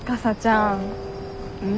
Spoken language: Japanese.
うん？